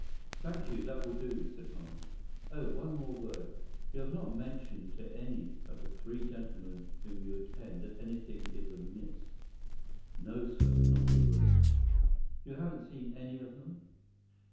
"Thank you; that will do," said Holmes. "Oh, one more word. You have not mentioned to any of the three gentlemen whom you attend that anything is amiss?" "No, sir; not a word." "You haven't seen any of them?"